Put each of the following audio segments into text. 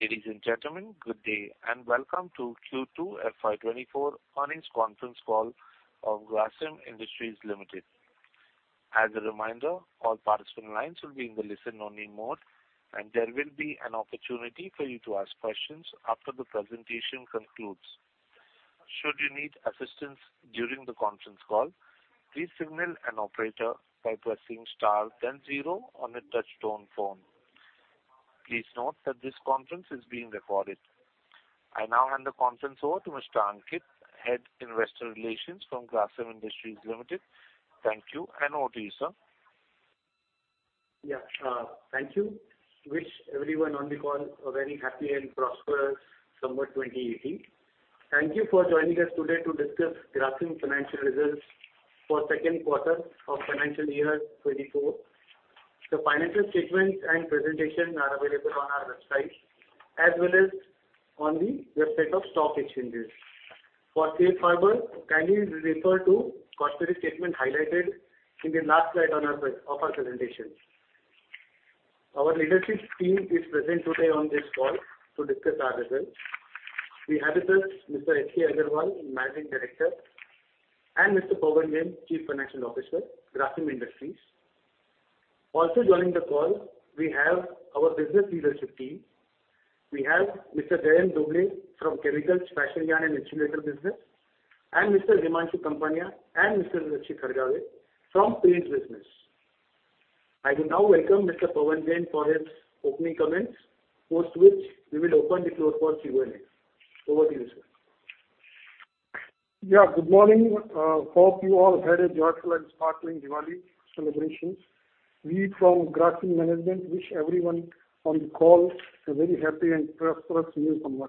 Ladies and gentlemen, good day, and welcome to Q2 FY 2024 earnings conference call of Grasim Industries Limited. As a reminder, all participant lines will be in the listen-only mode, and there will be an opportunity for you to ask questions after the presentation concludes. Should you need assistance during the conference call, please signal an operator by pressing star then zero on a touchtone phone. Please note that this conference is being recorded. I now hand the conference over to Mr. Ankit, Head Investor Relations from Grasim Industries Limited. Thank you, and over to you, sir. Yeah, thank you. Wish everyone on the call a very happy and prosperous Samvat 2080. Thank you for joining us today to discuss Grasim financial results for second quarter of financial year 2024. The financial statements and presentations are available on our website, as well as on the website of stock exchanges. For safe harbor, kindly refer to cautionary statement highlighted in the last slide on our side of our presentation. Our leadership team is present today on this call to discuss our results. We have with us Mr. H. K. Agarwal, Managing Director, and Mr. Pavan Jain, Chief Financial Officer, Grasim Industries. Also joining the call, we have our business leadership team. We have Mr. Jayant Dhobley from Chemicals, Specialty and Insulator Business, and Mr. Himanshu Kapania and Mr. Rakshit Hargave from Paints Business. I will now welcome Mr. Pavan Jain for his opening comments, post which we will open the floor for Q&A. Over to you, sir. Yeah, good morning. Hope you all had a joyful and sparkling Diwali celebrations. We from Grasim management wish everyone on the call a very happy and prosperous new Samvat.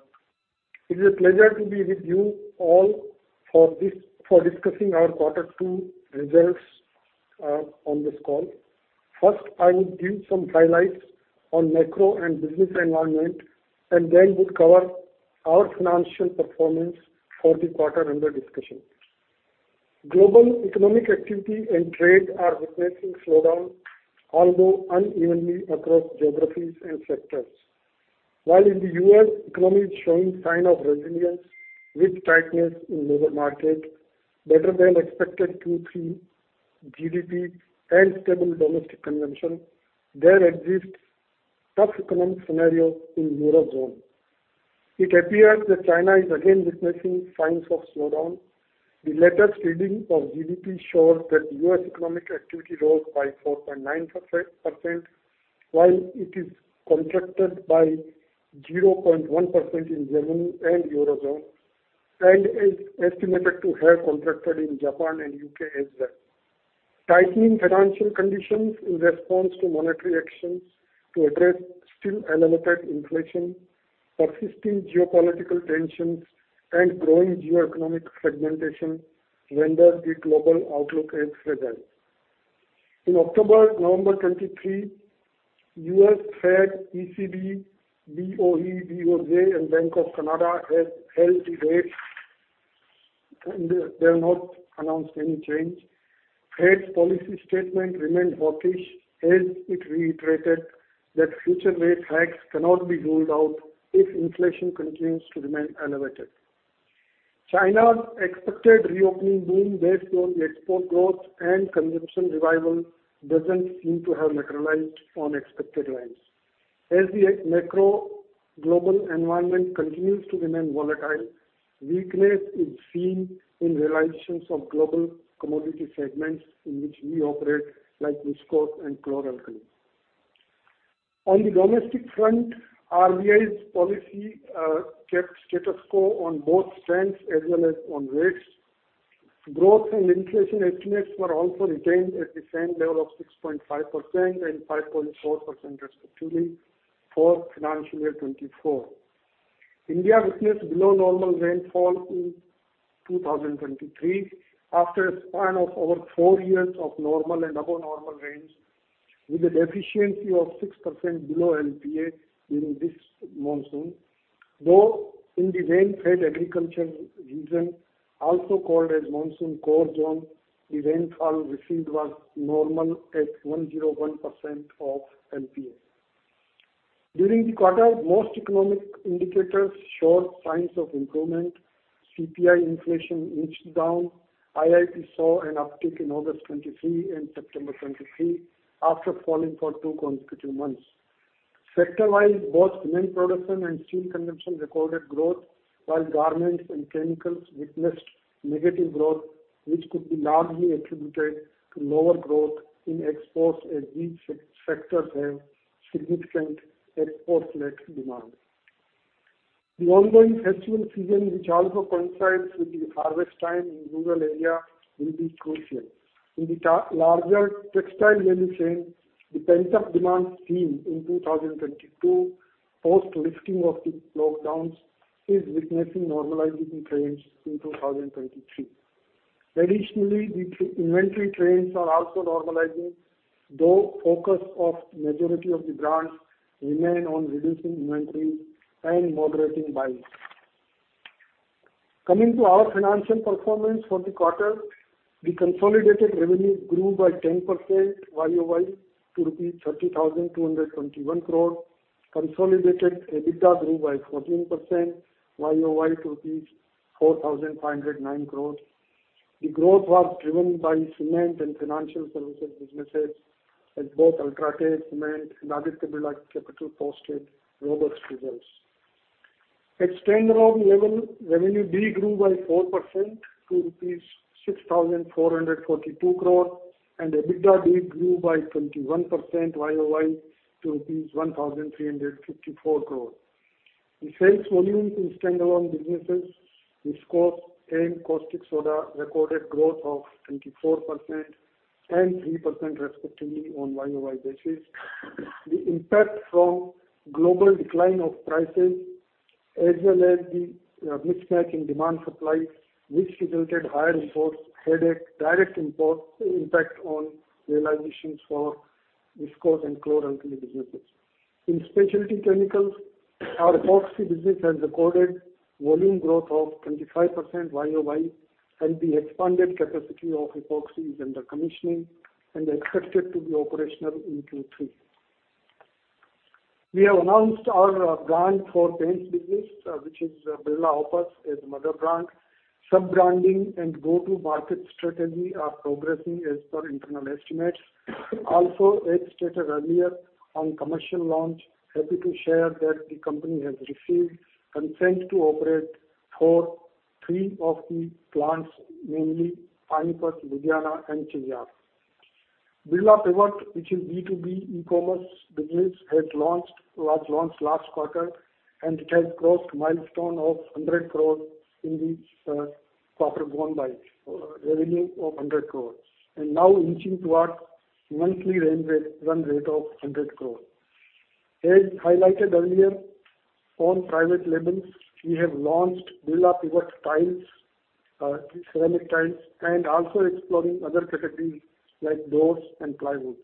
It is a pleasure to be with you all for this, for discussing our Quarter Two results, on this call. First, I will give some highlights on macro and business environment, and then we'll cover our financial performance for the quarter under discussion. Global economic activity and trade are witnessing slowdown, although unevenly across geographies and sectors. While in the U.S., economy is showing sign of resilience with tightness in labor market, better than expected Q3 GDP and stable domestic consumption, there exists tough economic scenario in Eurozone. It appears that China is again witnessing signs of slowdown. The latest reading of GDP shows that U.S. economic activity rose by 4.9%, while it is contracted by 0.1% in Germany and Eurozone, and is estimated to have contracted in Japan and U.K. as well. Tightening financial conditions in response to monetary actions to address still elevated inflation, persisting geopolitical tensions and growing geoeconomic fragmentation render the global outlook as fragile. In October, November 2023, U.S., Fed, ECB, BOE, BOJ and Bank of Canada has held the rate, and they have not announced any change. Fed's policy statement remained hawkish as it reiterated that future rate hikes cannot be ruled out if inflation continues to remain elevated. China's expected reopening boom based on export growth and consumption revival doesn't seem to have materialized on expected lines. As the macro global environment continues to remain volatile, weakness is seen in realizations of global commodity segments in which we operate, like viscose and chloralkali. On the domestic front, RBI's policy kept status quo on both fronts as well as on rates. Growth and inflation estimates were also retained at the same level of 6.5% and 5.4%, respectively, for financial year 2024. India witnessed below normal rainfall in 2023, after a span of over four years of normal and above normal rains, with a deficiency of 6% below LPA during this monsoon, though in the rain fed agriculture region, also called as monsoon core zone, the rainfall received was normal at 101% of LPA. During the quarter, most economic indicators showed signs of improvement. CPI inflation inched down. IIP saw an uptick in August 2023 and September 2023 after falling for two consecutive months. Sector-wise, both cement production and steel consumption recorded growth, while garments and chemicals witnessed negative growth, which could be largely attributed to lower growth in exports, as these sectors have significant export-led demand. The ongoing festival season, which also coincides with the harvest time in rural area, will be crucial. In the larger textile value chain, the pent-up demand seen in 2022, post lifting of the lockdowns, is witnessing normalizing trends in 2023. Additionally, the inventory trends are also normalizing, though focus of majority of the brands remain on reducing inventory and moderating buys. Coming to our financial performance for the quarter, the consolidated revenue grew by 10% YoY to 30,221 crore. Consolidated EBITDA grew by 14% YoY to 4,509 crore. The growth was driven by cement and financial services businesses, as both UltraTech Cement and Aditya Birla Capital posted robust results. At standalone level, revenue grew by 4% to rupees 6,442 crore, and EBITDA grew by 21% YoY to rupees 1,354 crore. The sales volume in standalone businesses, viscose and caustic soda, recorded growth of 24% and 3% respectively on YoY basis. The impact from global decline of prices, as well as the mismatch in demand supply, which resulted higher imports, had a direct impact on realizations for viscose and chloralkali businesses. In specialty chemicals, our epoxy business has recorded volume growth of 25% YoY, and the expanded capacity of epoxy is under commissioning and expected to be operational in Q3. We have announced our brand for paints business, which is Birla Opus, as mother brand. Sub-branding and go-to-market strategy are progressing as per internal estimates. Also, as stated earlier on commercial launch, happy to share that the company has received consent to operate for three of the plants, namely, Panipat, Ludhiana, and Cheyyar. Birla Pivot, which is B2B e-commerce business, was launched last quarter and it has crossed milestone of 100 crore in the quarter gone by, revenue of 100 crore, and now inching towards monthly run rate of 100 crore. As highlighted earlier, on private labels, we have launched Birla Pivot Tiles, ceramic tiles, and also exploring other categories like doors and plywood.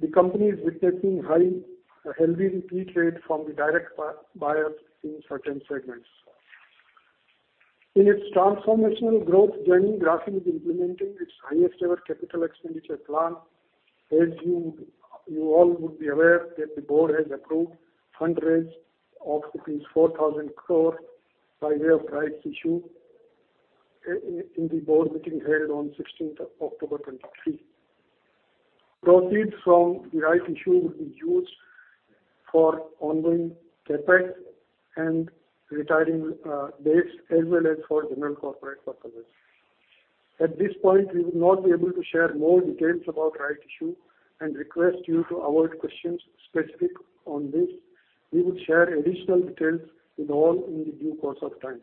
The company is witnessing high, a healthy repeat rate from the direct buy, buyers in certain segments. In its transformational growth journey, Grasim is implementing its highest ever capital expenditure plan. As you would, you all would be aware that the board has approved fund raise of rupees 4,000 crore by way of rights issue in the board meeting held on October 16, 2023. Proceeds from the rights issue will be used for ongoing CapEx and retiring, debts as well as for general corporate purposes. At this point, we would not be able to share more details about rights issue and request you to avoid questions specific on this. We will share additional details with all in the due course of time.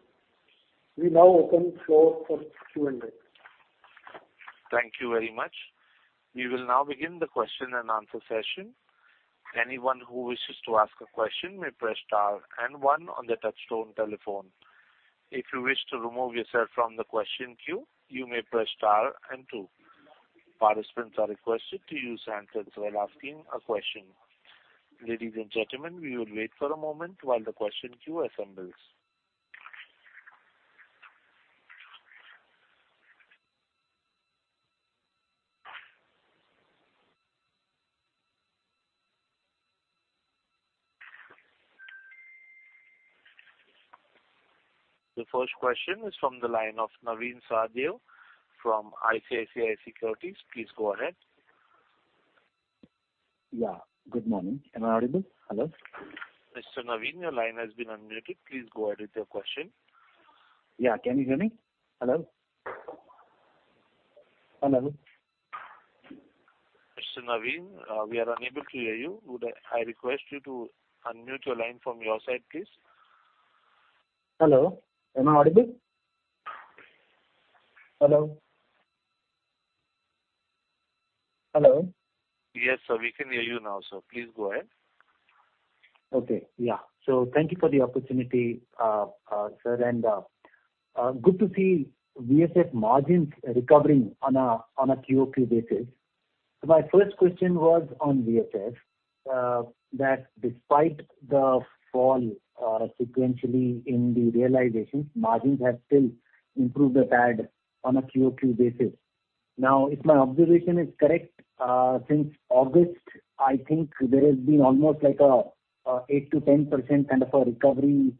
We now open the floor for Q&A. Thank you very much. We will now begin the question and answer session. Anyone who wishes to ask a question may press star and one on the touchtone telephone. If you wish to remove yourself from the question queue, you may press star and two. Participants are requested to use handset while asking a question. Ladies and gentlemen, we will wait for a moment while the question queue assembles. The first question is from the line of Navin Sahadeo from ICICI Securities. Please go ahead. Yeah. Good morning. Am I audible? Hello? Mr. Navin, your line has been unmuted. Please go ahead with your question. Yeah. Can you hear me? Hello? Hello. Mr. Navin, we are unable to hear you. Would I request you to unmute your line from your side, please? Hello, am I audible? Hello? Hello. Yes, sir, we can hear you now, so please go ahead. Okay. Yeah. So thank you for the opportunity, sir, and good to see VSF margins recovering on a QoQ basis. So my first question was on VSF, that despite the fall sequentially in the realization, margins have still improved a tad on a QoQ basis. Now, if my observation is correct, since August, I think there has been almost like a 8%-10% kind of a recovery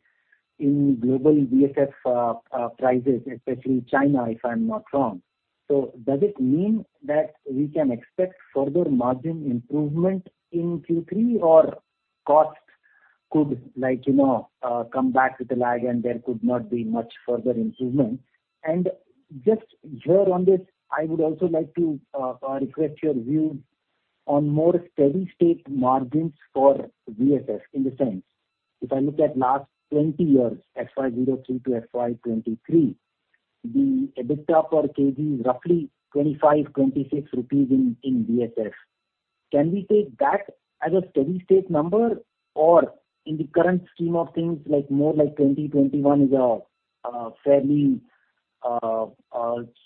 in global VSF prices, especially China, if I'm not wrong. So does it mean that we can expect further margin improvement in Q3, or costs could, like, you know, come back with a lag and there could not be much further improvement? And just here on this, I would also like to request your view on more steady state margins for VSF. In the sense, if I look at last 20 years, FY 2003 to FY 2023, the EBITDA per kg is roughly 25-26 rupees in VSF. Can we take that as a steady state number? Or in the current scheme of things, like more like 20/21 is a fairly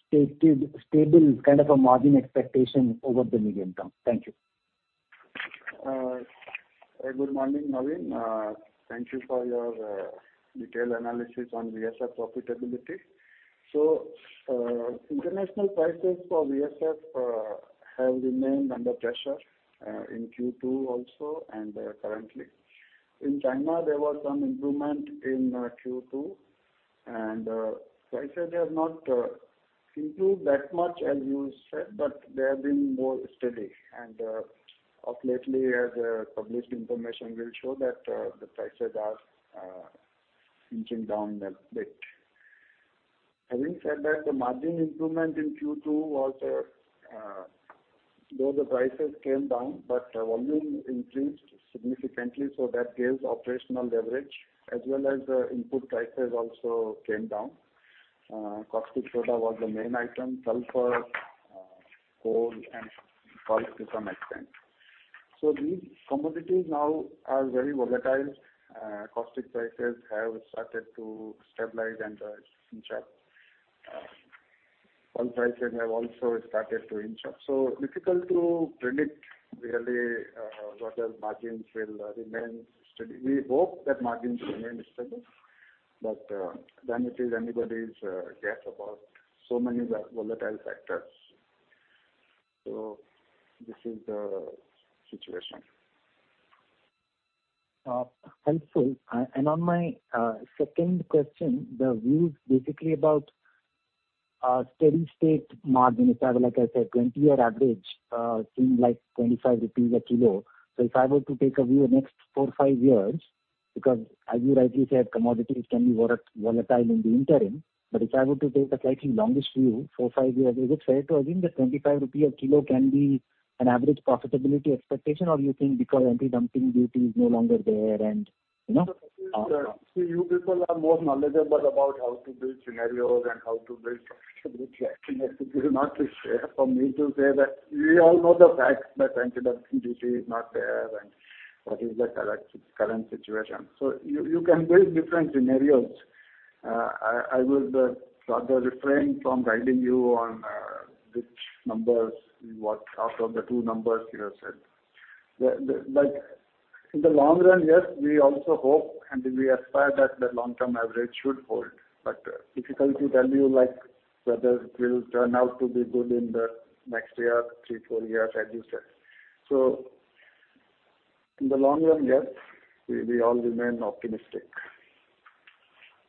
stated stable kind of a margin expectation over the medium term? Thank you. Good morning, Navin. Thank you for your detailed analysis on VSF profitability. So, international prices for VSF have remained under pressure in Q2 also, and currently. In China, there was some improvement in Q2, and prices they have not improved that much as you said, but they have been more steady. And of lately, as published information will show that the prices are inching down a bit. Having said that, the margin improvement in Q2 was though the prices came down, but volume increased significantly, so that gave operational leverage as well as the input prices also came down. Caustic soda was the main item, sulfur, coal, and oil to some extent. So these commodities now are very volatile. Caustic prices have started to stabilize and inch up. Coal prices have also started to inch up. So difficult to predict, really, whether margins will remain steady. We hope that margins remain steady, but then it is anybody's guess about so many volatile factors. So this is the situation. Helpful. And on my second question, the views basically about steady state margin. If I have, like I said, 20-year average, seem like 25 rupees a kilo. So if I were to take a view next four, five years, because as you rightly said, commodities can be volatile in the interim, but if I were to take a slightly longest view, four, five years, is it fair to assume that 25 rupee a kilo can be an average profitability expectation, or you think because anti-dumping duty is no longer there and, you know? See, you people are more knowledgeable about how to build scenarios and how to build profitability. It is not fair for me to say that we all know the fact that anti-dumping duty is not there and what is the correct current situation. So you can build different scenarios. I will rather refrain from guiding you on which numbers, what, out of the two numbers you have said. But in the long run, yes, we also hope, and we aspire that the long-term average should hold. But difficult to tell you, like, whether it will turn out to be good in the next year, three, four years, as you said. So in the long run, yes, we all remain optimistic.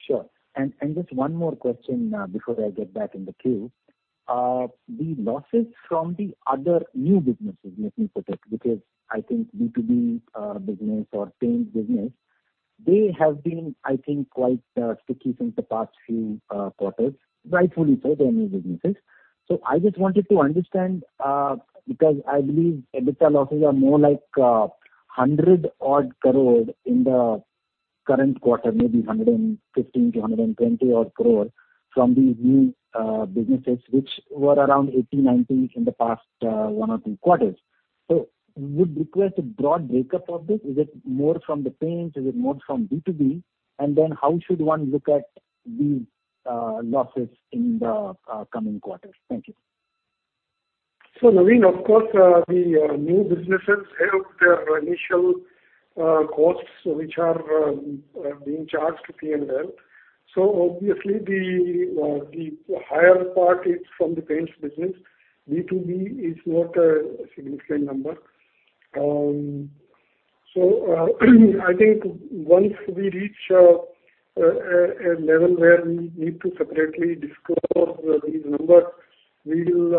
Sure. Just one more question before I get back in the queue. The losses from the other new businesses, let me put it, because I think B2B business or paints business, they have been, I think, quite sticky since the past few quarters, rightfully so, they're new businesses. So I just wanted to understand because I believe EBITDA losses are more like 100-odd crore in the current quarter, maybe 115-120-odd crore from these new businesses, which were around 80-90 in the past one or two quarters. So would request a broad breakup of this. Is it more from the paints? Is it more from B2B? And then how should one look at these losses in the coming quarters? Thank you. So, Navin, of course, the new businesses have their initial costs which are being charged to P&L. So obviously, the higher part is from the paints business. B2B is not a significant number. So, I think once we reach a level where we need to separately disclose these numbers, we will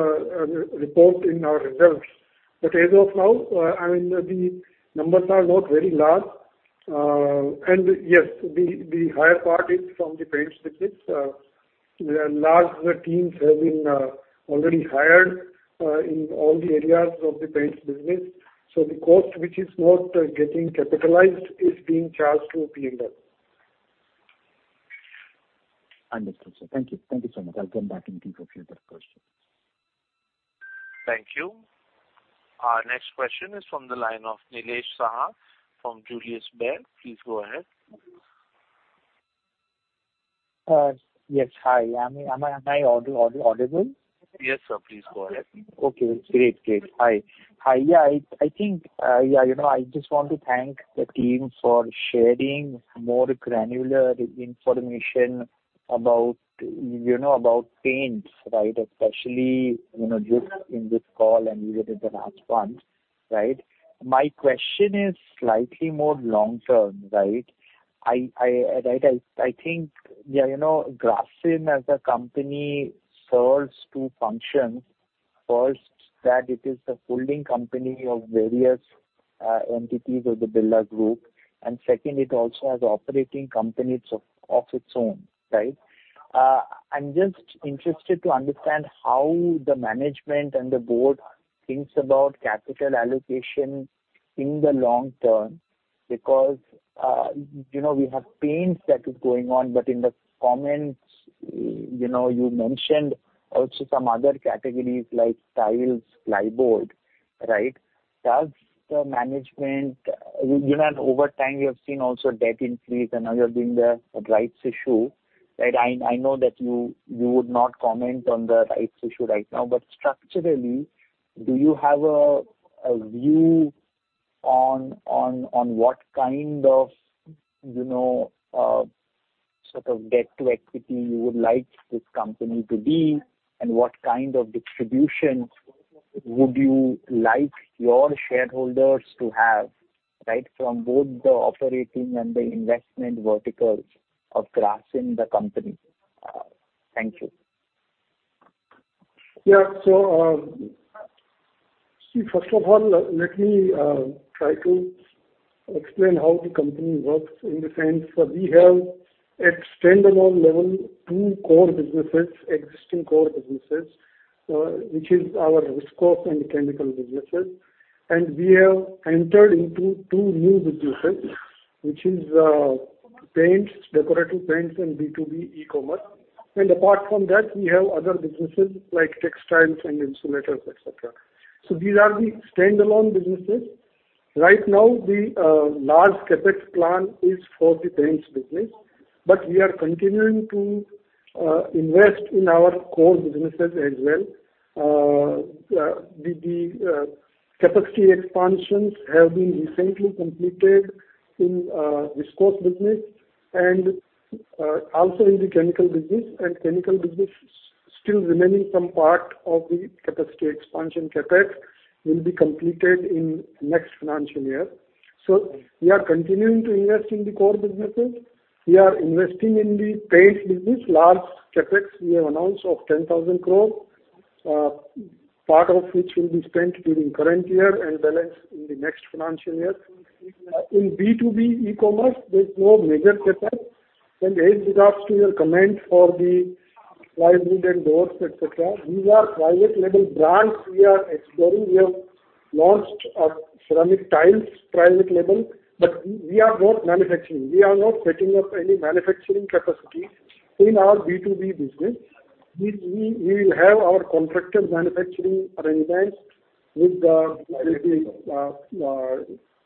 report in our results. But as of now, I mean, the numbers are not very large. And yes, the higher part is from the paints business. Larger teams have been already hired in all the areas of the paints business. So the cost, which is not getting capitalized, is being charged to P&L. Understood, sir. Thank you. Thank you so much. I'll come back in queue for further questions. Thank you. Our next question is from the line of Nilesh Saha from Julius Baer. Please go ahead. Yes. Hi. Am I audible? Yes, sir, please go ahead. Okay, great, great. Hi. Hi, yeah, I think, yeah, you know, I just want to thank the team for sharing more granular information about, you know, about paints, right? Especially, you know, just in this call and even in the last one, right. My question is slightly more long-term, right? I think, yeah, you know, Grasim as a company serves two functions. First, that it is a holding company of various entities of the Birla Group. And second, it also has operating companies of its own, right? I'm just interested to understand how the management and the board thinks about capital allocation in the long term, because, you know, we have paints that is going on, but in the comments, you know, you mentioned also some other categories like tiles, plyboard, right? Does the management... You know, over time, you have seen also debt increase, and now you're doing the rights issue, right? I, I know that you, you would not comment on the rights issue right now, but structurally, do you have a, a view on, on, on what kind of, you know, sort of debt to equity you would like this company to be? And what kind of distributions would you like your shareholders to have, right, from both the operating and the investment verticals of Grasim, the company? Thank you. Yeah. So, see, first of all, let me try to explain how the company works in the sense that we have a standalone level, two core businesses, existing core businesses, which is our viscose and chemical businesses. And we have entered into two new businesses, which is, paints, decorative paints, and B2B e-commerce. And apart from that, we have other businesses like textiles and insulators, et cetera. So these are the standalone businesses. Right now, the large CapEx plan is for the paints business, but we are continuing to invest in our core businesses as well. The capacity expansions have been recently completed in viscose business and also in the chemical business, and chemical business still remaining some part of the capacity expansion CapEx will be completed in next financial year. So we are continuing to invest in the core businesses. We are investing in the paints business, large CapEx we have announced of 10,000 crore, part of which will be spent during current year and balance in the next financial year. In B2B e-commerce, there's no major CapEx. And as regards to your comment for the plywood and doors, et cetera, these are private label brands we are exploring. We have launched, ceramic tiles, private label, but we are not manufacturing. We are not setting up any manufacturing capacity in our B2B business. We will have our contracted manufacturing arrangements with the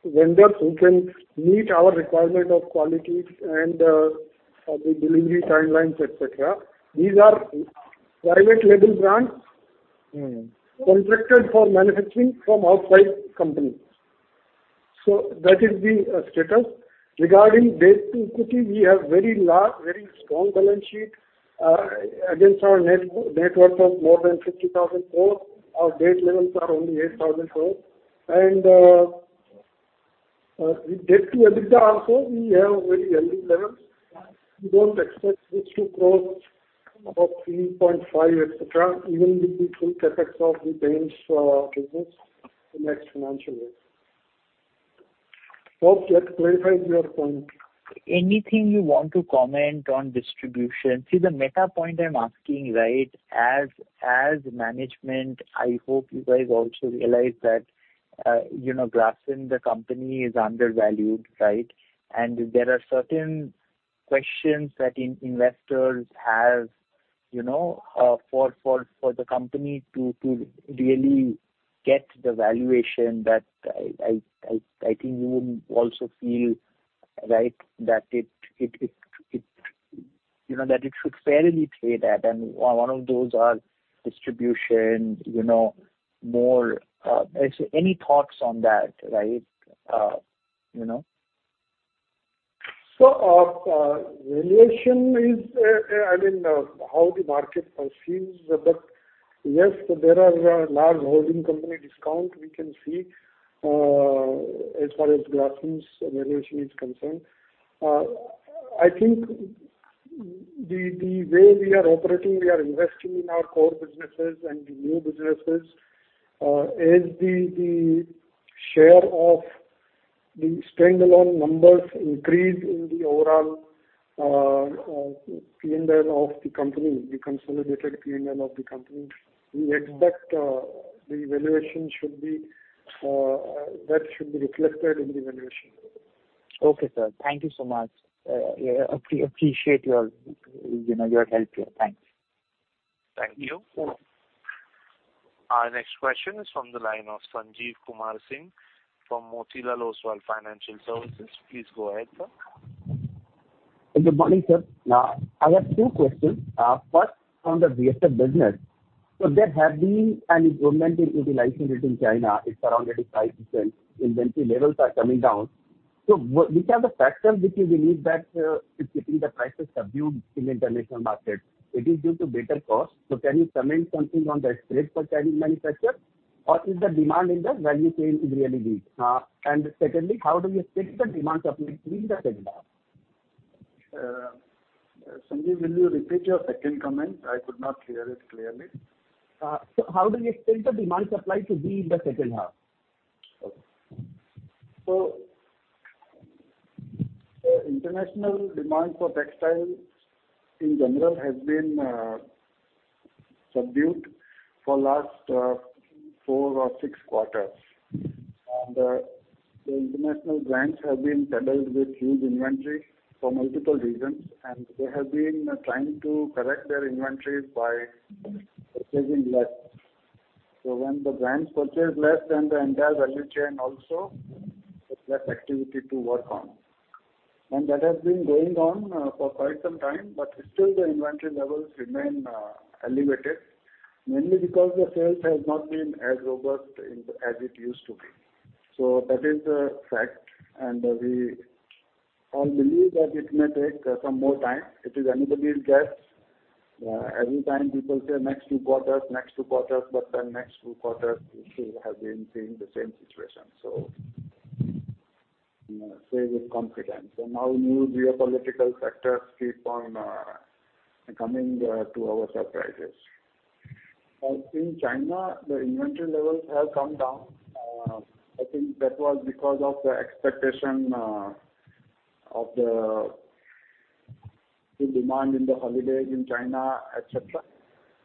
vendors who can meet our requirement of qualities and the delivery timelines, et cetera. These are private label brands- - contracted for manufacturing from outside companies. So that is the status. Regarding debt to equity, we have very large, very strong balance sheet against our net, net worth of more than 50,000 crore. Our debt levels are only 8,000 crore. And debt to EBITDA also, we have very healthy levels. We don't expect this to cross about 3.5, et cetera, even with the full CapEx of the paints business the next financial year. Hope that clarifies your point. Anything you want to comment on distribution? See, the meta point I'm asking, right, as management, I hope you guys also realize that, you know, Grasim, the company, is undervalued, right? And there are certain questions that investors have, you know, for the company to really get the valuation that I think you would also feel, right, that it, you know, that it should fairly trade at, and one of those are distribution, you know, more. So any thoughts on that, right, you know? So, valuation is, I mean, how the market perceives. But yes, there are large holding company discount we can see, as far as Grasim's valuation is concerned. I think the way we are operating, we are investing in our core businesses and the new businesses, as the share of the standalone numbers increase in the overall P&L of the company, the consolidated P&L of the company, we expect the valuation should be, that should be reflected in the valuation. Okay, sir. Thank you so much. Appreciate your, you know, your help here. Thanks. Thank you. Our next question is from the line of Sanjeev Kumar Singh from Motilal Oswal Financial Services. Please go ahead, sir. Good morning, sir. I have two questions. First, on the VSF business, so there have been an improvement in utilization in China. It's around 35%. Inventory levels are coming down. So which are the factors which you believe that is keeping the prices subdued in the international market? It is due to better cost. So can you comment something on the split for Chinese manufacturer, or is the demand in the value chain is really weak? And secondly, how do you expect the demand supply to be in the second half? Sanjeev, will you repeat your second comment? I could not hear it clearly. How do you expect the demand supply to be in the second half? Okay. So, the international demand for textiles, in general, has been subdued for last 4 or 6 quarters. And the international brands have been saddled with huge inventory for multiple reasons, and they have been trying to correct their inventories by purchasing less. So when the brands purchase less, then the entire value chain also has less activity to work on. And that has been going on for quite some time, but still the inventory levels remain elevated, mainly because the sales has not been as robust as it used to be. So that is the fact, and we all believe that it may take some more time. It is anybody's guess. Every time people say next two quarters, next two quarters, but then next 2 quarters, we still have been seeing the same situation. So, you know, say with confidence. So now new geopolitical factors keep on coming to our surprises. In China, the inventory levels have come down. I think that was because of the expectation of the demand in the holiday in China, et cetera.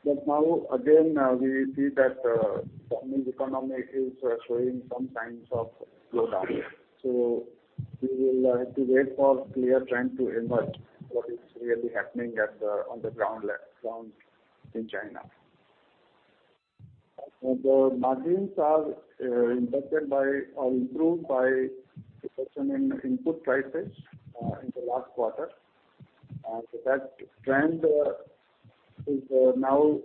But now, again, we see that Chinese economy is showing some signs of slowdown. So we will have to wait for clear trend to emerge, what is really happening on the ground level in China. And the margins are impacted by or improved by the reduction in input prices in the last quarter. So that trend is now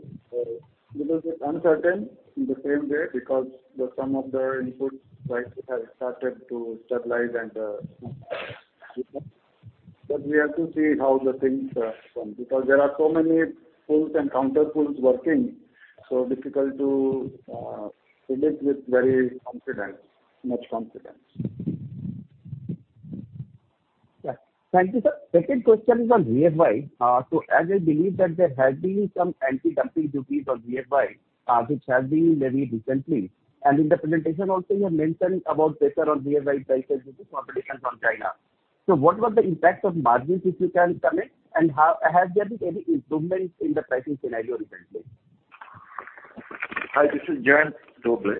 little bit uncertain in the same way, because some of the input prices have started to stabilize and but we have to see how the things come, because there are so many pulls and counter pulls working, so difficult to predict with very much confidence. Yeah. Thank you, sir. Second question is on VFY. So as I believe that there has been some anti-dumping duties on VFY, which has been maybe recently, and in the presentation also, you have mentioned about pressure on VFY prices due to competition from China. So what was the impact on margins, if you can comment, and has there been any improvement in the pricing scenario recently? Hi, this is Jayant Dhobley.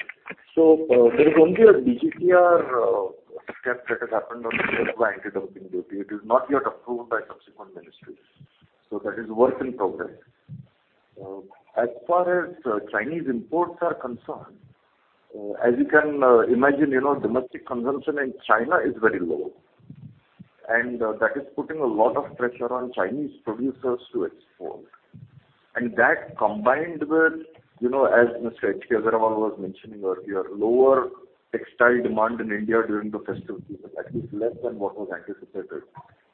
There is only a DGTR step that has happened on the anti-dumping duty. It is not yet approved by subsequent ministries, so that is work in progress. As far as Chinese imports are concerned, as you can imagine, you know, domestic consumption in China is very low, and that is putting a lot of pressure on Chinese producers to export. And that, combined with, you know, as Mr. H. K. Agarwal was mentioning earlier, lower textile demand in India during the festivities, that is less than what was anticipated,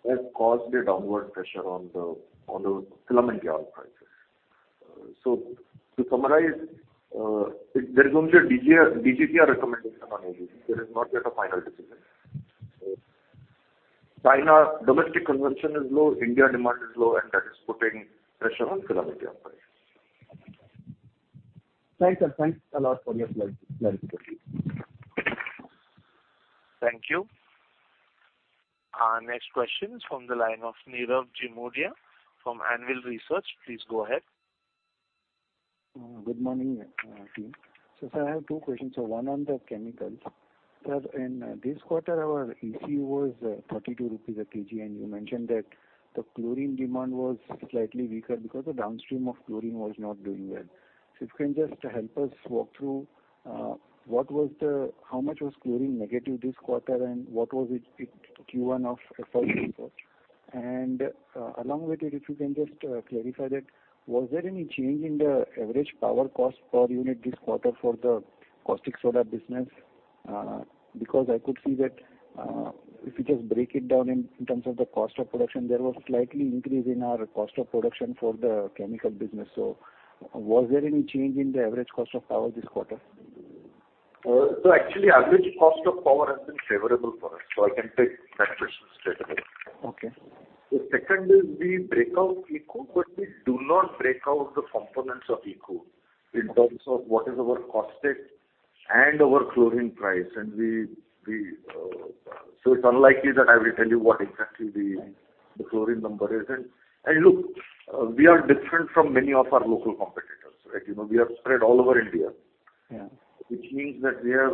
has caused a downward pressure on the filament yarn prices. So to summarize, there is only a DGTR recommendation on AD, there is not yet a final decision. China, domestic consumption is low, India demand is low, and that is putting pressure on filament yarn prices. Thanks, sir. Thanks a lot for your clarification. Thank you. Our next question is from the line of Nirav Jimudia from Anvil Research. Please go ahead. Good morning, team. So sir, I have two questions. So one on the chemicals. Sir, in this quarter, our ECU was 32 rupees a kg, and you mentioned that the chlorine demand was slightly weaker because the downstream of chlorine was not doing well. So if you can just help us walk through how much was chlorine negative this quarter, and what was it in Q1 of FY24? And along with it, if you can just clarify that, was there any change in the average power cost per unit this quarter for the caustic soda business? Because I could see that, if you just break it down in terms of the cost of production, there was slightly increase in our cost of production for the chemical business. Was there any change in the average cost of power this quarter? Actually, average cost of power has been favorable for us, so I can take that question straight away. Okay. The second is, we break out ECU, but we do not break out the components of ECU, in terms of what is our caustic and our chlorine price. So it's unlikely that I will tell you what exactly the chlorine number is. And look, we are different from many of our local competitors, right? You know, we are spread all over India. Yeah. Which means that we have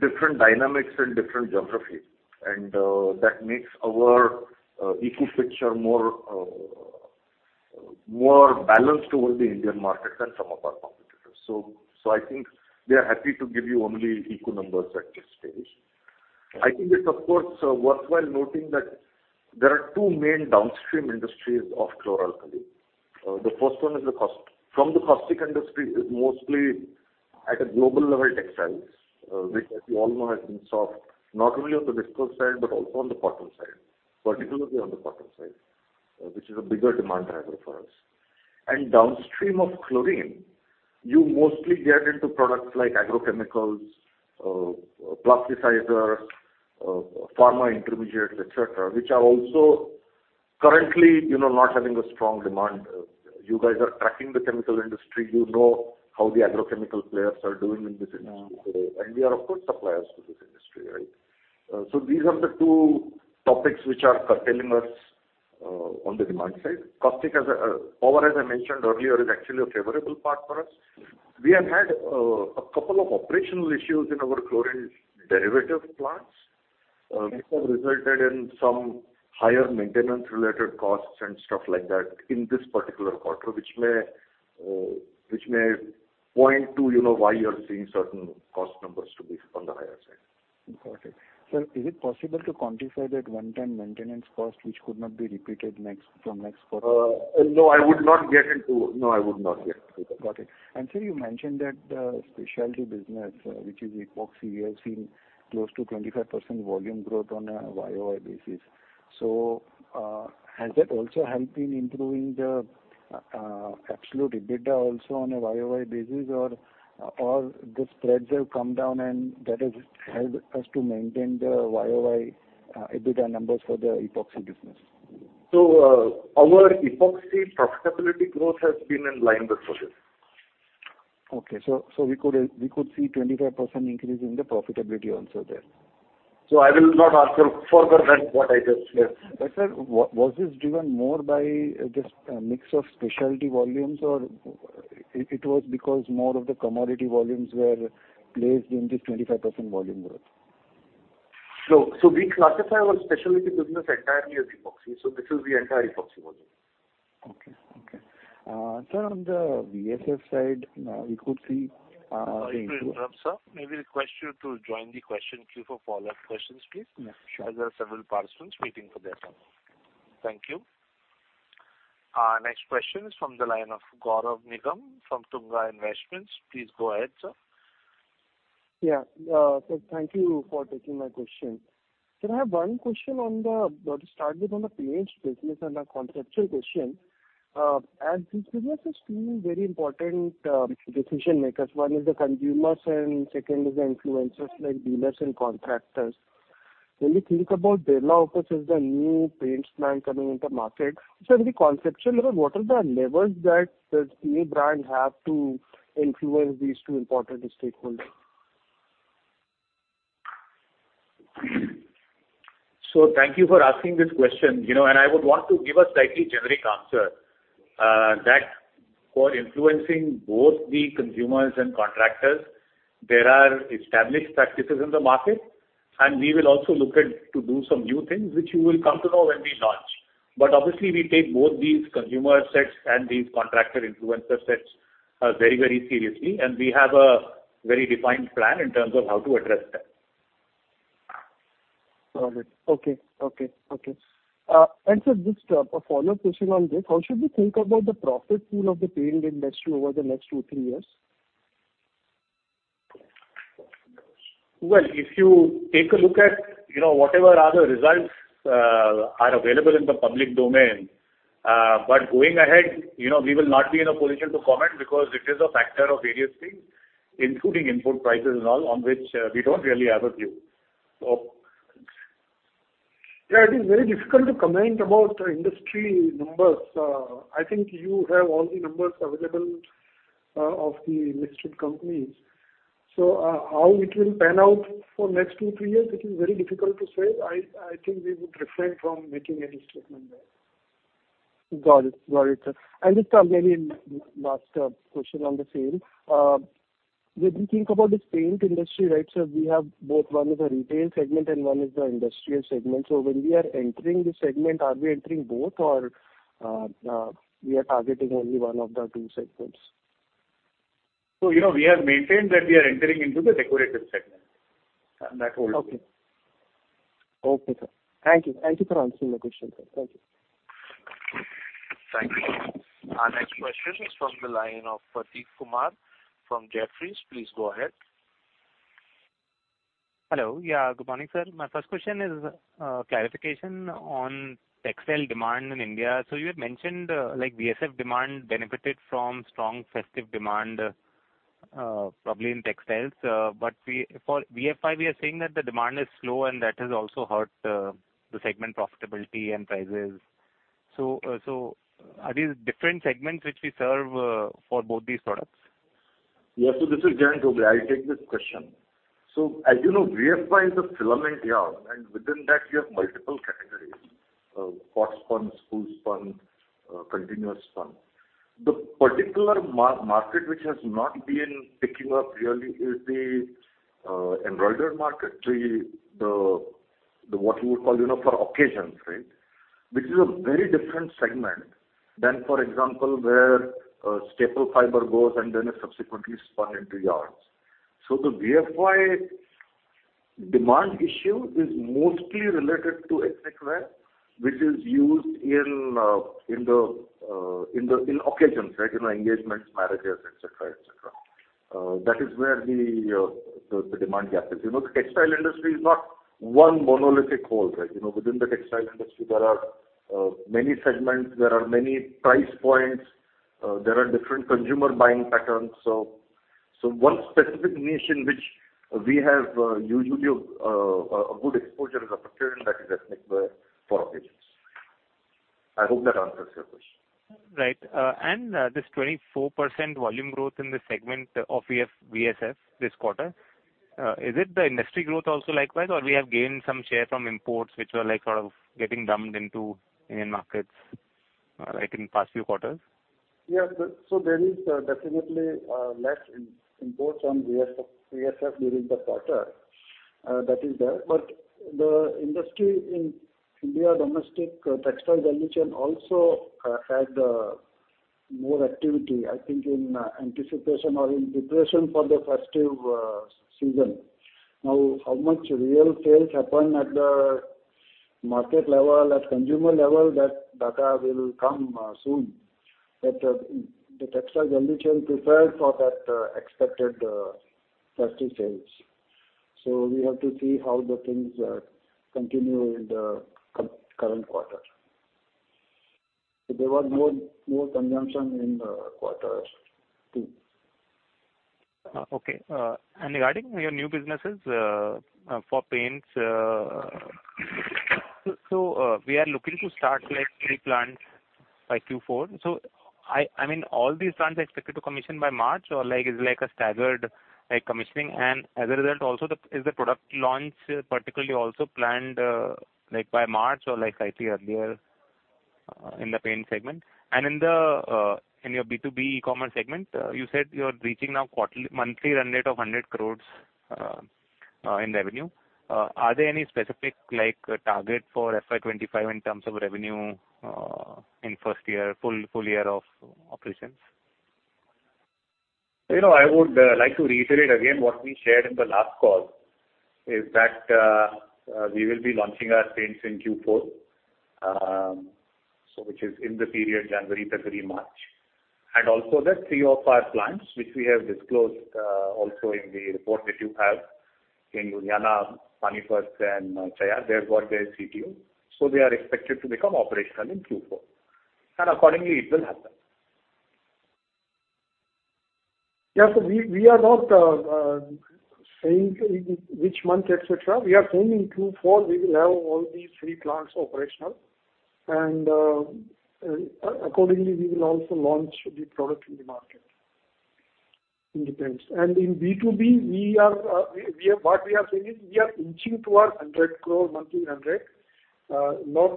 different dynamics and different geographies, and, that makes our eco picture more, more balanced towards the Indian market than some of our competitors. So, so I think we are happy to give you only eco numbers at this stage. I think it's, of course, worthwhile noting that there are two main downstream industries of chloralkali. The first one is the caustic. From the caustic industry, is mostly at a global level, textiles, which, as you all know, has been soft, not only on the viscose side, but also on the cotton side, particularly on the cotton side, which is a bigger demand driver for us. And downstream of chlorine, you mostly get into products like agrochemicals, plasticizers, pharma intermediates, et cetera, et cetera, which are also currently, you know, not having a strong demand. You guys are tracking the chemical industry. You know how the agrochemical players are doing in this industry today. Yeah. And we are, of course, suppliers to this industry, right? So these are the two topics which are curtailing us on the demand side. Caustic as a power, as I mentioned earlier, is actually a favorable part for us. We have had a couple of operational issues in our chlorine derivative plants.... which have resulted in some higher maintenance-related costs and stuff like that in this particular quarter, which may, which may point to, you know, why you're seeing certain cost numbers to be on the higher side. Got it. Sir, is it possible to quantify that one-time maintenance cost, which could not be repeated from next quarter? No, I would not get into that. No, I would not get into that. Got it. And sir, you mentioned that the specialty business, which is epoxy, you have seen close to 25% volume growth on a YoY basis. So, has that also helped in improving the absolute EBITDA also on a YoY basis? Or, the spreads have come down, and that has helped us to maintain the YoY EBITDA numbers for the epoxy business? Our Epoxy profitability growth has been in line with sales. Okay. So we could see 25% increase in the profitability also there? I will not answer further than what I just said. But sir, was this driven more by just a mix of specialty volumes, or it was because more of the commodity volumes were placed in this 25% volume growth? We classify our specialty business entirely as Epoxy, so this is the entire Epoxy volume. Okay. Okay. Sir, on the VSF side, we could see, Sorry to interrupt, sir. May we request you to join the question queue for follow-up questions, please? Yes, sure. As there are several participants waiting for their turn. Thank you. Our next question is from the line of Gaurav Nigam from Tunga Investments. Please go ahead, sir. Yeah, so thank you for taking my question. Sir, I have one question on the—to start with, on the paints business and a conceptual question. As this business is seeing very important decision makers, one is the consumers and second is the influencers, like dealers and contractors. When we think about Birla, of course, is the new paints brand coming into market. So the conceptual, what are the levers that the paint brand have to influence these two important stakeholders? So thank you for asking this question. You know, and I would want to give a slightly generic answer, that for influencing both the consumers and contractors, there are established practices in the market, and we will also look at to do some new things, which you will come to know when we launch. But obviously, we take both these consumer sets and these contractor influencer sets, very, very seriously, and we have a very defined plan in terms of how to address that. Got it. Okay, okay, okay. And sir, just a follow-up question on this. How should we think about the profit pool of the paint industry over the next two, three years? Well, if you take a look at, you know, whatever are the results are available in the public domain, but going ahead, you know, we will not be in a position to comment because it is a factor of various things, including input prices and all, on which we don't really have a view. Okay. Yeah, it is very difficult to comment about industry numbers. I think you have all the numbers available, of the listed companies. So, how it will pan out for next two, three years, it is very difficult to say. I, I think we would refrain from making any statement there. Got it. Got it, sir. And just, maybe last question on the sale. When we think about this paint industry, right, sir, we have both, one is a retail segment and one is the industrial segment. So when we are entering the segment, are we entering both or, we are targeting only one of the two segments? You know, we have maintained that we are entering into the decorative segment, and that holds good. Okay. Okay, sir. Thank you. Thank you for answering my question, sir. Thank you. Thank you. Our next question is from the line of Prateek Kumar from Jefferies. Please go ahead. Hello. Yeah, good morning, sir. My first question is, clarification on textile demand in India. So you had mentioned, like VSF demand benefited from strong festive demand, probably in textiles. But we-- for VFY, we are seeing that the demand is slow, and that has also hurt, the segment profitability and prices. So, so are these different segments which we serve, for both these products? Yeah, so this is Pavan Jain. I'll take this question. So as you know, VFY is a filament yarn, and within that, you have multiple categories: core spun, wool spun, continuous spun. The particular market, which has not been picking up really is the embroidered market, the, the, what you would call, you know, for occasions, right? Which is a very different segment than, for example, where staple fiber goes and then is subsequently spun into yarns. So the VFY demand issue is mostly related to ethnic wear, which is used in, in the, in occasions, right, you know, engagements, marriages, et cetera, et cetera. That is where the demand gap is. You know, the textile industry is not one monolithic whole, right? You know, within the textile industry, there are many segments, there are many price points, there are different consumer buying patterns. So, one specific niche in which we have usually a good exposure and opportunity that is ethnic wear for occasions. I hope that answers your question. Right. And this 24% volume growth in the segment of VSF this quarter, is it the industry growth also likewise, or we have gained some share from imports, which were like sort of getting dumped into Indian markets? Right in past few quarters? Yes, so there is definitely less imports on VSF during the quarter. That is there. But the industry in India, domestic textile utilization also had more activity, I think, in anticipation or in preparation for the festive season. Now, how much real sales happen at the market level, at consumer level, that data will come soon. But the textile utilization prepared for that expected festive sales. So we have to see how the things continue in the current quarter. So there was more consumption in quarter two. Okay. And regarding your new businesses, for paints, so, we are looking to start like three plants by Q4. So I mean, all these plants are expected to commission by March, or like, is like a staggered, like, commissioning? And as a result, also, is the product launch particularly also planned, like by March or like slightly earlier, in the paint segment? And in your B2B e-commerce segment, you said you're reaching now quarterly monthly run rate of 100 crore in revenue. Are there any specific like target for FY 2025 in terms of revenue, in first year, full year of operations? You know, I would like to reiterate again, what we shared in the last call, is that, we will be launching our paints in Q4, so which is in the period January, February, March. And also the three of our plants, which we have disclosed, also in the report that you have in Ludhiana, Panipat, and Cheyyar, they have got their CTO, so they are expected to become operational in Q4. And accordingly, it will happen. Yeah, so we are not saying which month, et cetera. We are saying in Q4, we will have all these three plants operational, and accordingly, we will also launch the product in the market, in the paints. And in B2B, what we are saying is, we are inching towards 100 crore monthly, not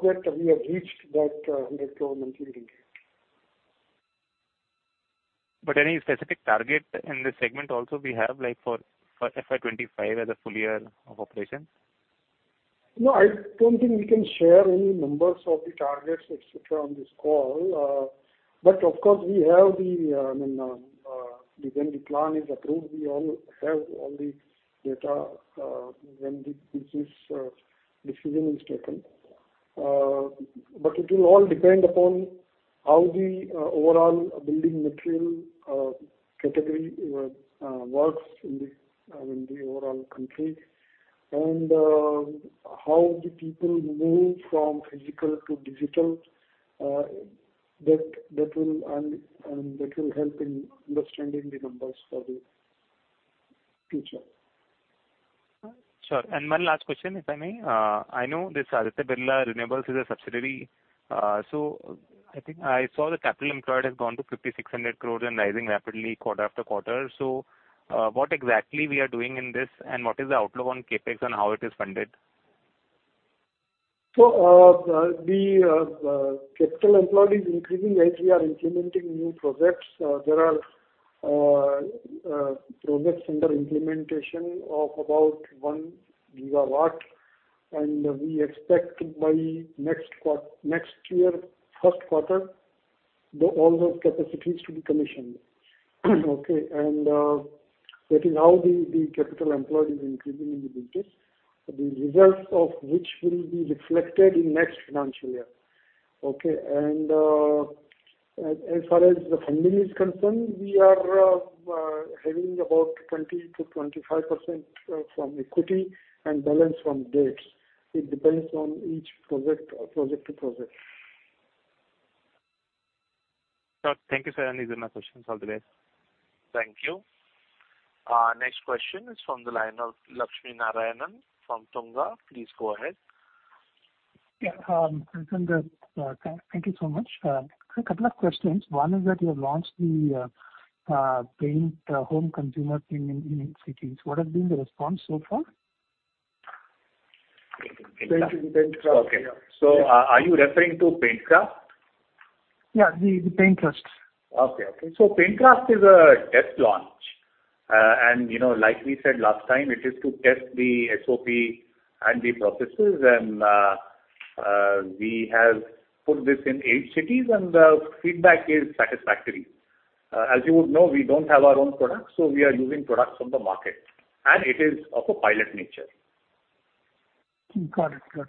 that we have reached that INR 100 crore monthly range. But any specific target in this segment also we have, like for FY 2025 as a full year of operations? No, I don't think we can share any numbers of the targets, et cetera, on this call. But of course, we have the, I mean, when the plan is approved, we all have all the data, when the business, decision is taken. But it will all depend upon how the, overall building material, category, works in the, in the overall country, and, how the people move from physical to digital, that, that will and, and that will help in understanding the numbers for the future. Sure. And one last question, if I may. I know this Aditya Birla Renewables is a subsidiary. So, I think I saw the capital employed has gone to 5,600 crore and rising rapidly quarter after quarter. So, what exactly we are doing in this, and what is the outlook on CapEx and how it is funded? The capital employed is increasing as we are implementing new projects. There are projects under implementation of about1 GW, and we expect by next year, first quarter, all those capacities to be commissioned. Okay, and that is how the capital employed is increasing in the business. The results of which will be reflected in next financial year. Okay, and as far as the funding is concerned, we are having about 20%-25% from equity and balance from debts. It depends on each project or project to project. Sure. Thank you, sir. These are my questions for the day. Thank you. Next question is from the line of Lakshminarayanan from Tunga. Please go ahead. Yeah, thank you so much. A couple of questions. One is that you have launched the paint home consumer thing in cities. What has been the response so far? PaintCraft. PaintCraft, yeah. Okay. So, are you referring to PaintCraft? Yeah, the PaintCraft. Okay, okay. So PaintCraft is a test launch. And, you know, like we said last time, it is to test the SOP and the processes, and we have put this in eight cities, and the feedback is satisfactory. As you would know, we don't have our own products, so we are using products from the market, and it is of a pilot nature. Got it, got it.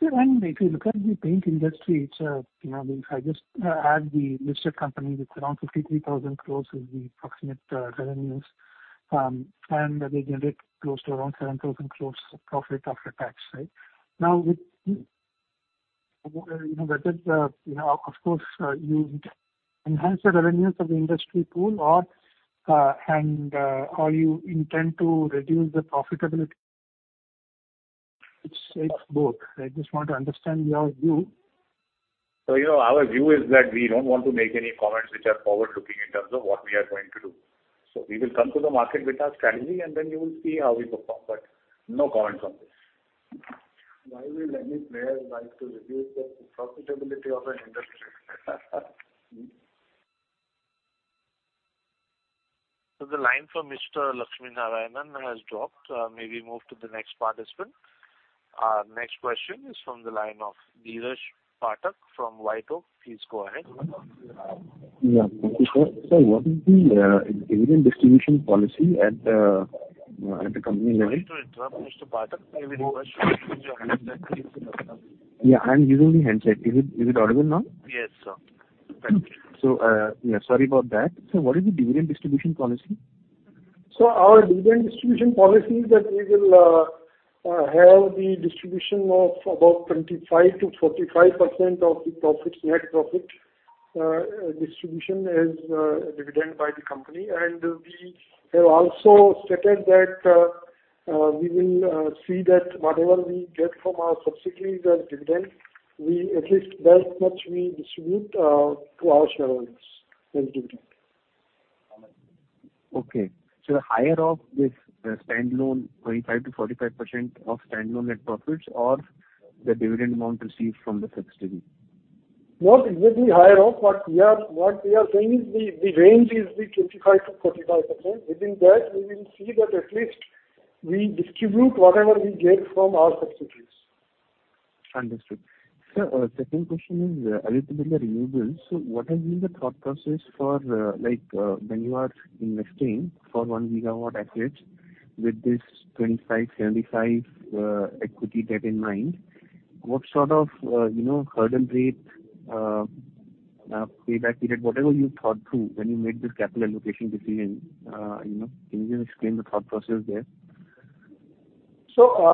So when if you look at the paint industry, it's, you know, if I just add the listed company, it's around 53,000 crore is the approximate revenues, and they generate close to around 7,000 crore profit after tax, right? Now, with, you know, whether, you know, of course, you enhance the revenues of the industry pool or, and, or you intend to reduce the profitability? It's, it's both. I just want to understand your view. You know, our view is that we don't want to make any comments which are forward-looking in terms of what we are going to do. We will come to the market with our strategy, and then you will see how we perform, but no comments on this.... Why will any player like to reduce the profitability of an industry? The line from Mr. Lakshminarayanan has dropped. May we move to the next participant? Our next question is from the line of Dheeraj Pathak from White Oak. Please go ahead. Yeah, thank you, sir. So what is the dividend distribution policy at the company level? Mr. Pathak, may we request you to use your handset, please? Yeah, I'm using the handset. Is it, is it audible now? Yes, sir. Thank you. Yeah, sorry about that. So what is the dividend distribution policy? So our dividend distribution policy is that we will have the distribution of about 25%-45% of the profits, net profit, distribution as dividend by the company. We have also stated that we will see that whatever we get from our subsidiaries as dividend, we at least that much we distribute to our shareholders in dividend. Okay. So you're better off with the stand-alone, 25%-45% of stand-alone net profits or the dividend amount received from the subsidiary? Not exactly higher off, but we are—what we are saying is the range is 25%-45%. Within that, we will see that at least we distribute whatever we get from our subsidiaries. Understood. Sir, second question is related to the renewables. So what has been the thought process for, like, when you are investing for 1 GW assets with this 25-75 equity-debt in mind, what sort of, you know, hurdle rate, payback period, whatever you thought through when you made this capital allocation decision, you know? Can you explain the thought process there? So,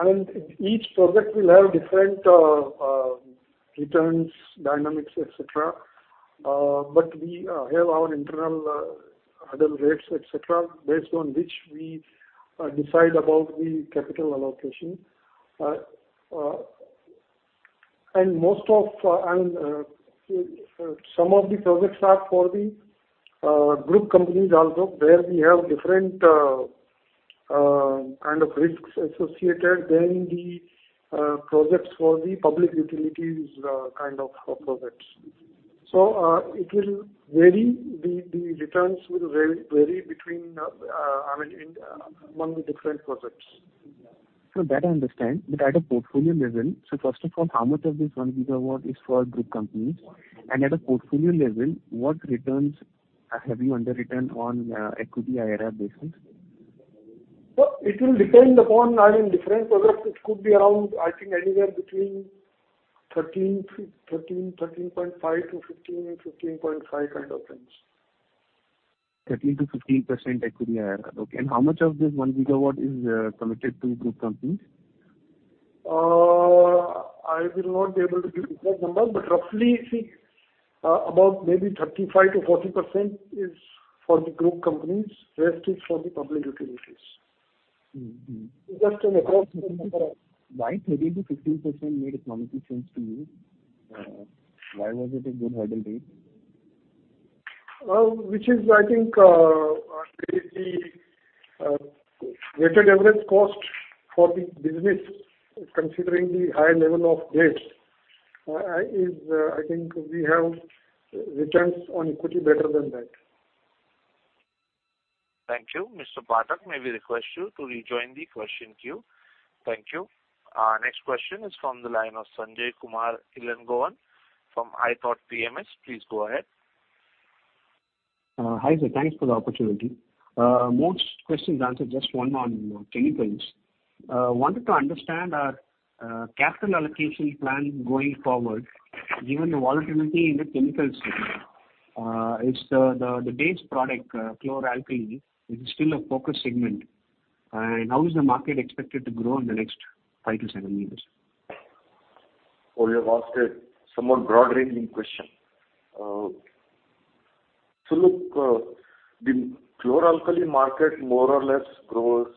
I mean, each project will have different returns, dynamics, et cetera. But we have our internal hurdle rates, et cetera, based on which we decide about the capital allocation. And most of, and some of the projects are for the group companies also, where we have different kind of risks associated than the projects for the public utilities kind of projects. So, it will vary. The returns will vary between, I mean, in, among the different projects. So that I understand. But at a portfolio level, so first of all, how much of this 1 GW is for group companies? And at a portfolio level, what returns have you underwritten on equity IRR basis? So it will depend upon, I mean, different products. It could be around, I think, anywhere between 13.5-15.5 kind of range. 13%-15% equity IRR. Okay, and how much of this1 GW is committed to group companies? I will not be able to give you that number, but roughly, see, about maybe 35%-40% is for the group companies, rest is for the public utilities. Just an approximate number. Why 13%-15% made economic sense to you? Why was it a good hurdle rate? which is, I think, the weighted average cost for the business, considering the high level of debt. I think we have returns on equity better than that. Thank you. Mr. Pathak, may we request you to rejoin the question queue? Thank you. Our next question is from the line of Sanjay Kumar Ilangovan from iThought PMS. Please go ahead. Hi, sir. Thanks for the opportunity. Most questions answered, just one on chemicals. Wanted to understand, capital allocation plan going forward, given the volatility in the chemicals segment. Is the, the base product, chlor-alkali, is it still a focus segment? And how is the market expected to grow in the next five-seven years? Oh, you have asked a somewhat broad-ranging question. So look, the chlor-alkali market more or less grows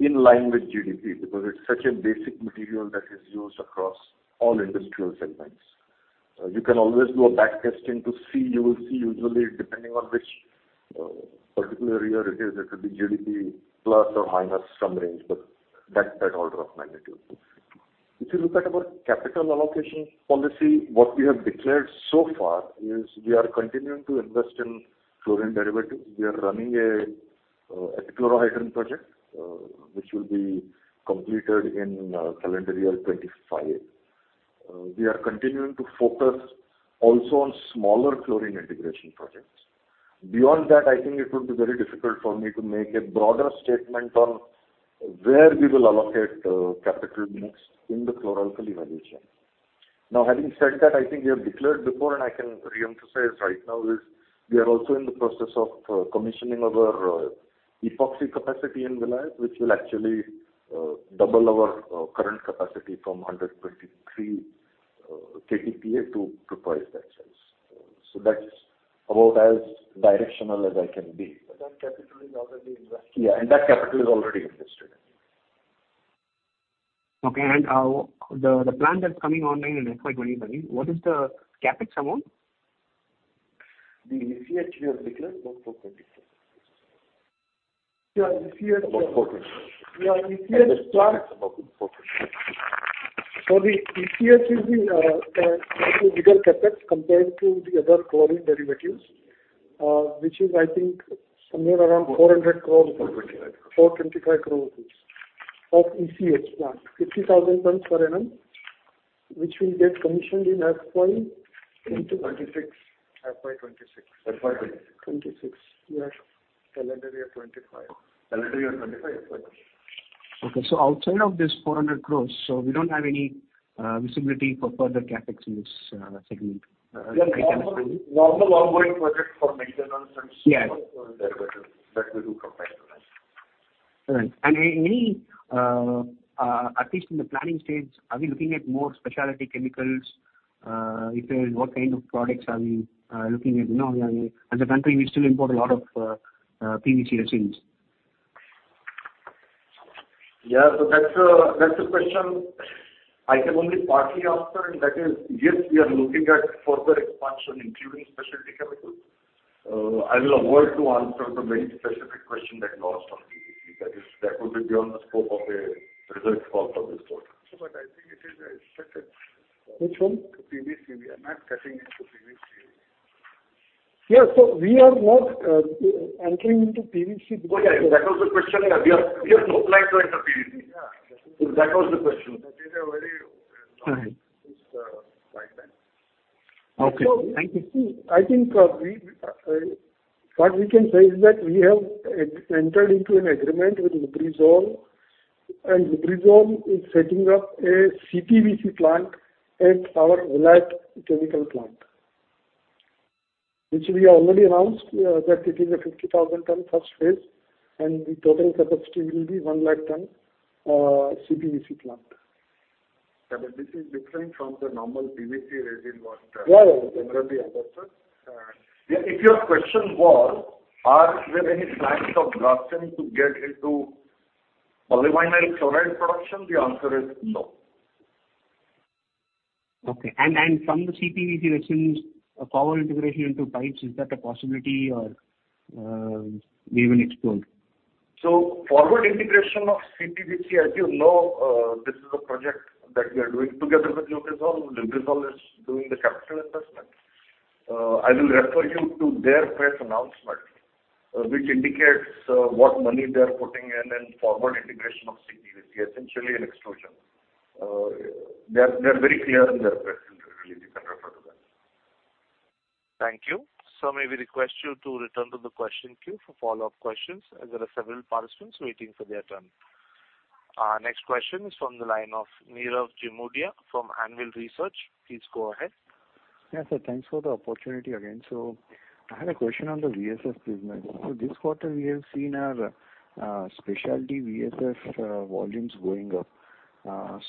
in line with GDP, because it's such a basic material that is used across all industrial segments. You can always do a back-testing to see. You will see usually, depending on which particular year it is, it will be GDP plus or minus some range, but that, that order of magnitude. If you look at our capital allocation policy, what we have declared so far is we are continuing to invest in chlorine derivatives. We are running a epichlorohydrin project, which will be completed in calendar year 2025. We are continuing to focus also on smaller chlorine integration projects. Beyond that, I think it would be very difficult for me to make a broader statement on where we will allocate, capital next in the chloralkali value chain. Now, having said that, I think we have declared before, and I can reemphasize right now, is we are also in the process of, commissioning our, epoxy capacity in Vizag, which will actually, double our, current capacity from 123 KTPA to twice that size. So that's about as directional as I can be. But that capital is already invested. Yeah, and that capital is already invested. Okay, and the plant that's coming online in FY 2029, what is the CapEx amount?... The ECH we have declared or for 20? Yeah, ECH- About forty. Yeah, ECH plant. About forty. The ECH will be bigger CapEx compared to the other chlorine derivatives, which is I think somewhere around 400 crore. 425 crore. INR 425 crore ECH plant, 50,000 tons per annum, which will get commissioned in FY twenty- 2026. FY 2026. FY twenty- 26, yes. Calendar year 2025. Calendar year 2025? Right. Okay. So outside of this 400 crore, so we don't have any visibility for further CapEx in this segment? Yeah. Normal, ongoing project for maintenance and- Yeah. That we do from time to time. All right. And any, at least in the planning stage, are we looking at more specialty chemicals? If so, what kind of products are we looking at? You know, as a country, we still import a lot of PVC resins. Yeah, so that's a, that's a question I can only partly answer, and that is, yes, we are looking at further expansion, including specialty chemicals. I will avoid to answer the very specific question that you asked of me. That is, that would be beyond the scope of a result call for this quarter. But I think it is expected. Which one? PVC, we are not getting into PVC. Yeah, so we are not entering into PVC because- Oh, yeah, that was the question. We have, we have no plan to enter PVC. Yeah. If that was the question. That is a very. All right. Long statement. Okay, thank you. I think what we can say is that we have entered into an agreement with Lubrizol, and Lubrizol is setting up a CPVC plant at our Vilayat chemical plant, which we already announced, that it is a 50,000-ton first phase, and the total capacity will be 100,000 tons CPVC plant. This is different from the normal PVC resin what- Yeah, yeah. Generally understood. If your question was, are there any plans of Grasim to get into polyvinyl chloride production? The answer is no. Okay. And from the CPVC resins, a power integration into pipes, is that a possibility or be even explored? So forward integration of CPVC, as you know, this is a project that we are doing together with Lubrizol. Lubrizol is doing the capital investment. I will refer you to their press announcement, which indicates what money they are putting in and forward integration of CPVC, essentially an extrusion. They are very clear in their press release, you can refer to that. Thank you. So may we request you to return to the question queue for follow-up questions, as there are several participants waiting for their turn. Our next question is from the line of Nirav Jimudia from Anvil Research. Please go ahead. Yeah, sir, thanks for the opportunity again. So I had a question on the VSF business. So this quarter, we have seen our specialty VSF volumes going up.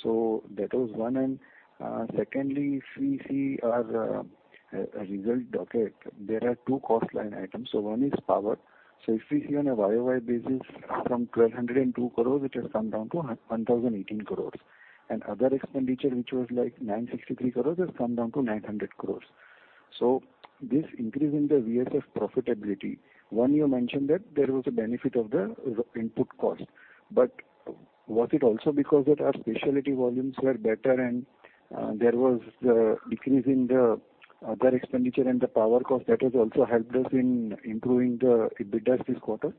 So that was one. And secondly, if we see our result docket, there are two cost line items. So one is power. So if we see on a YoY basis from 1,202 crores, which has come down to 1,018 crores, and other expenditure, which was like 963 crores, has come down to 900 crores. So this increase in the VSF profitability, one, you mentioned that there was a benefit of the input cost, but was it also because that our specialty volumes were better and there was a decrease in the other expenditure and the power cost that has also helped us in improving the EBITDA this quarter?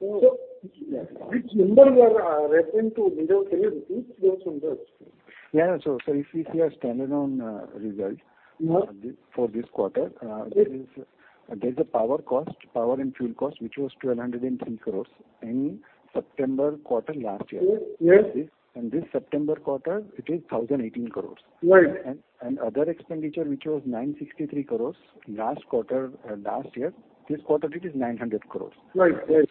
So which number you are referring to, Nirav? Can you please tell us from the- Yeah, so, so if we see our standalone result- Yeah. For this quarter, Yes. There's a power cost, power and fuel cost, which was 1,203 crore in September quarter last year. Yes, yes. This September quarter, it is 1,018 crore. Right. Other expenditure, which was 963 crore last quarter, last year, this quarter it is 900 crore. Right. Yes.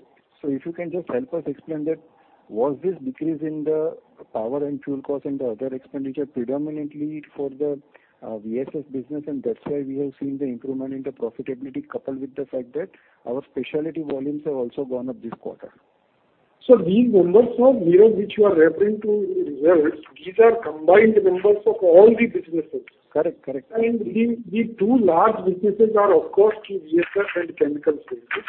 If you can just help us explain that, was this decrease in the power and fuel cost and the other expenditure predominantly for the, VSF business, and that's why we have seen the improvement in the profitability, coupled with the fact that our specialty volumes have also gone up this quarter? So these numbers from Nirav, which you are referring to, these are combined numbers of all the businesses. Correct, correct. The two large businesses are, of course, the VSF and chemical business.